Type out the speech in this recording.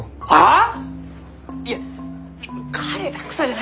あ。